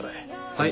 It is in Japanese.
はい。